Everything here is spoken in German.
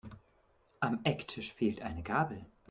Am Ecktisch fehlt eine Gabel.